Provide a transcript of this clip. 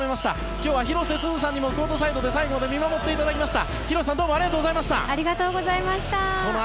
今日は広瀬すずさんにもコートサイドで最後まで見守っていただきました